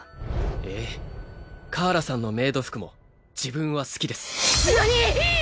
ええカーラさんのメイド服も自分は好きですえっ！？